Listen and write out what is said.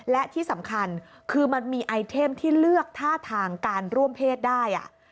และที่สำคัญคือมันมีไอเทมที่เลือกท่าทางการร่วมเพศได้